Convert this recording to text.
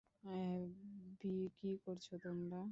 আভি, কি করছ তোমারা?